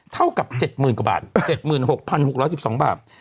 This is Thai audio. เท่ากับ๗๐๐กว่าบาท๗๖๖๑๒บาท